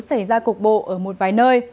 xảy ra cục bộ ở một vài nơi